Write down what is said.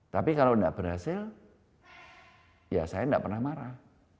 tapi kalau enggak berhasil ya saya enggak pernah marah